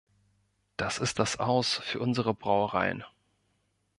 Das ist das Aus für unsere Brauereien.